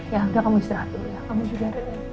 ya udah kamu istirahat dulu ya